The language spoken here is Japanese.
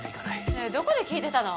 ねえどこで聞いてたの？